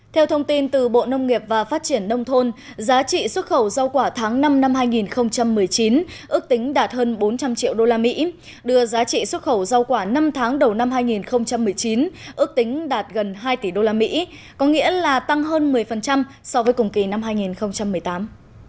theo thông tin từ bộ nông nghiệp và phát triển nông thôn giá trị xuất khẩu rau quả tháng năm năm hai nghìn một mươi chín ước tính đạt hơn bốn trăm linh triệu usd đưa giá trị xuất khẩu rau quả năm tháng đầu năm hai nghìn một mươi chín ước tính đạt gần hai tỷ usd có nghĩa là tăng hơn một mươi so với cùng kỳ năm hai nghìn một mươi tám